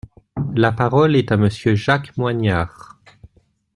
La parole est à Monsieur Jacques Moignard.